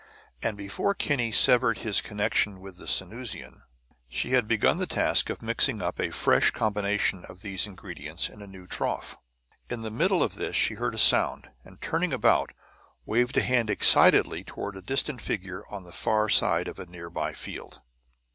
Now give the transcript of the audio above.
And before Kinney severed his connection with the Sanusian, she had begun the task of mixing up a fresh combination of these ingredients in a new trough. In the midst of this she heard a sound; and turning about, waved a hand excitedly toward a distant figure on the far side of a nearby field.